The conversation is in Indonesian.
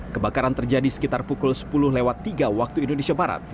kebakaran terjadi sekitar pukul sepuluh tiga waktu indonesia barat